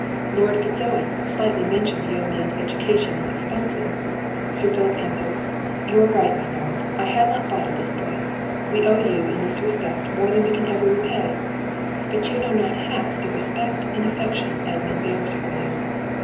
Lord Fitz Owen slightly mentioned the young man's education and expences. Sir Philip answered, "You are right, my Lord; I had not thought of this point; we owe you, in this respect, more than we can ever repay. But you know not half the respect and affection Edmund bears for you.